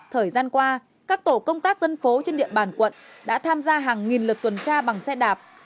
thời gian qua các tổ công tác dân phố trên địa bàn quận đã tham gia hàng nghìn lực tuần tra bằng xe đạp